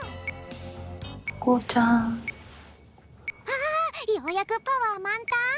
ああっようやくパワーまんたん？